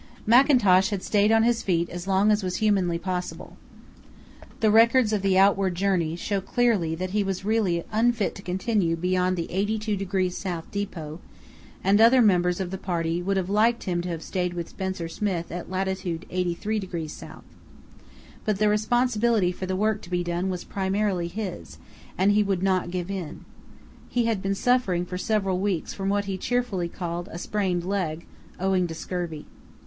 Mackintosh had stayed on his feet as long as was humanly possible. The records of the outward journey show clearly that he was really unfit to continue beyond the 82° S. depot, and other members of the party would have liked him to have stayed with Spencer Smith at lat. 83° S. But the responsibility for the work to be done was primarily his, and he would not give in. He had been suffering for several weeks from what he cheerfully called "a sprained leg," owing to scurvy.